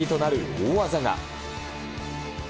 鍵となる大技が。